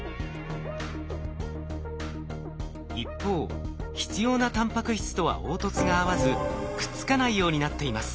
一方必要なタンパク質とは凹凸が合わずくっつかないようになっています。